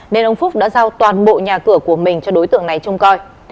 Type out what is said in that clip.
nên ông phúc đã giao toàn bộ nhà cửa của mình cho đối tượng này trông coi